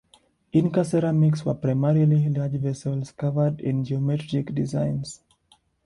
Inca ceramics were primarily large vessels covered in geometric designs.